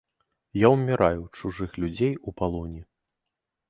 Я ўміраю ў чужых людзей у палоне.